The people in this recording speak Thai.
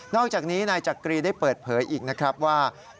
อกจากนี้นายจักรีได้เปิดเผยอีกนะครับว่า